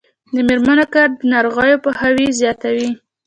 د میرمنو کار د ناروغیو پوهاوی زیاتوي.